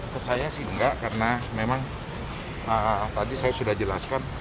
ke saya sih enggak karena memang tadi saya sudah jelaskan